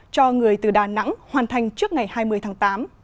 cho người từ đà nẵng hoàn thành trước ngày hai mươi tháng tám